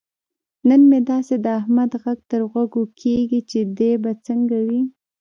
نن مې داسې د احمد غږ تر غوږو کېږي. چې دی به څنګه وي.